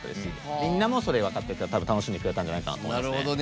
みんなもそれが分かって楽しんでくれたんじゃないかなと思います。